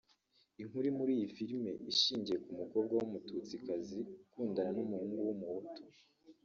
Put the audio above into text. Inkuru iri muri iyi filimi ishingiye ku mukobwa w’Umututsikazi ukundana n’umuhungu w’umuhutu